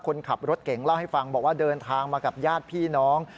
คนขับรถเก่งเล่าให้ฟังบอกว่าเดินทางมากับญาติพี่น้อง